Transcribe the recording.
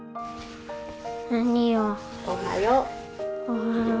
おはよう。